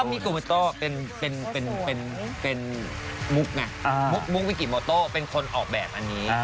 มีโกเมโต้เป็นมุกไงมุกวิกิโมโต้เป็นคนออกแบบอันนี้